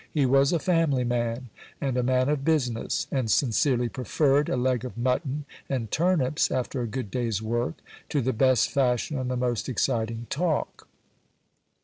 He was a family man, and a man of business, and sincerely preferred a leg of mutton and turnips after a good day's work, to the best fashion and the most exciting talk.